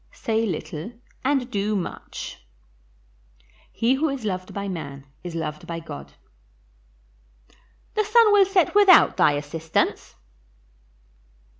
Say little and do much. He who is loved by man is loved by God. The sun will set without thy assistance.